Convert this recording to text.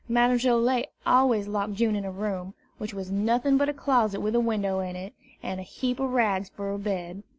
Madame Joilet always locked June in her room, which was nothing but a closet with a window in it, and a heap of rags for a bed.